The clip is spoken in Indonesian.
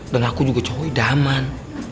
dan aku juga cowok idaman